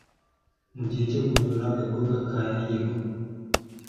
Mu gihe cyo kuzura agakobwa ka Yayiro,